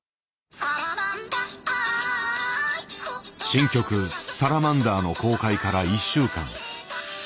新曲「サラマンダー」の公開から１週間。